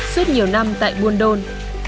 suốt nhiều năm tại buôn đôn